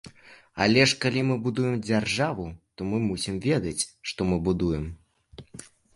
Але ж калі мы будуем дзяржаву, то мы мусім ведаць, што мы будуем.